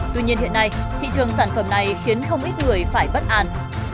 tuy nhiên hiện nay thị trường sản phẩm này khiến không ít người phải bất an